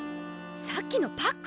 さっきのパック！